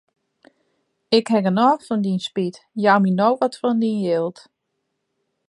Ik haw genôch fan dyn spyt, jou my no wat fan dyn jild.